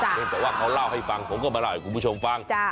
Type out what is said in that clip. เนื่องจากว่าเขาเล่าให้ฟังผมก็มาเล่าให้คุณผู้ชมฟัง